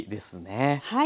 はい。